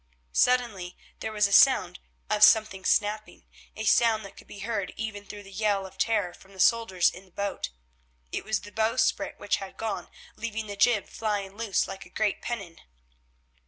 Suddenly there was a sound of something snapping—a sound that could be heard even through the yell of terror from the soldiers in the boat. It was the bowsprit which had gone, leaving the jib flying loose like a great pennon.